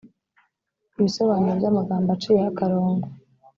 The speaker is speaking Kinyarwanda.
ibisobanuro by amagambo aciyeho akarongo